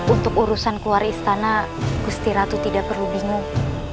untuk urusan keluar istana gusti ratu tidak perlu bingung